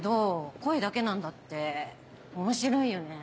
声だけなんだって面白いよね。